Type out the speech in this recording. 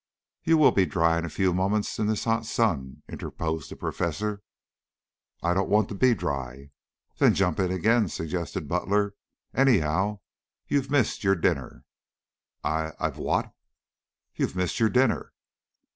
"You will be dry in a few moments in this hot sun," interposed the professor. "I don't want to be dry." "Then jump in again," suggested Butler. "Anyhow, you've missed your dinner." "I I've what?" "Missed your dinner."